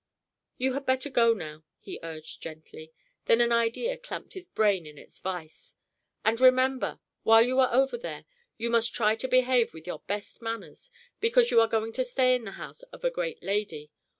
"You had better go now," he urged gently. Then an idea clamped his brain in its vise. "And remember: while you are over there, you must try to behave with your best manners because you are going to stay in the house of a great lady.